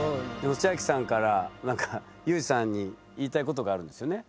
千明さんから裕士さんに言いたいことがあるんですよね？